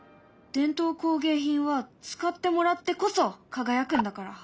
伝統工芸品は使ってもらってこそ輝くんだから！